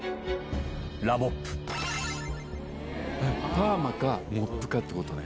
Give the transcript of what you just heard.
パーマかモップかってことね。